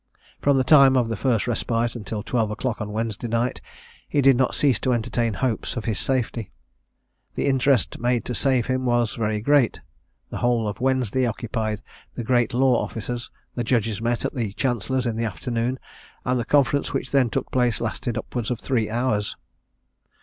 From the time of the first respite, until twelve o'clock on Wednesday night, he did not cease to entertain hopes of his safety. The interest made to save him was very great. The whole of Wednesday occupied the great law officers; the judges met at the chancellor's in the afternoon, and the conference which then took place lasted upwards of three hours.